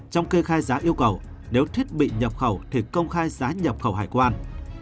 trong kê khai giá yêu cầu nếu thiết bị nhập khẩu thì công khai giá nhập khẩu hải quan